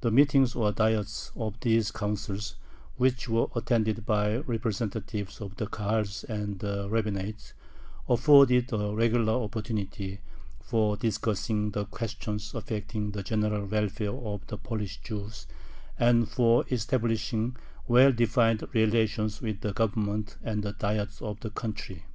The meetings or Diets of these Councils, which were attended by the representatives of the Kahals and the rabbinate, afforded a regular opportunity for discussing the questions affecting the general welfare of the Polish Jews and for establishing well defined relations with the Government and the Diets of the country.